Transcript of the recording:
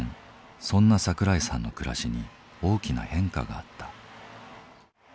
そんな桜井さんの暮らしに大きな変化があった。